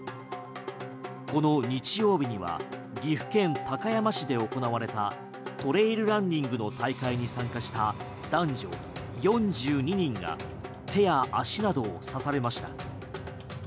この日曜日には岐阜県高山市で行われたトレイルランニングの大会に参加した男女４２人が手や足などを刺されました。